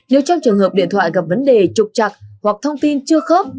nếu trong trường hợp điện thoại gặp vấn đề trục chặt hoặc thông tin chưa khớp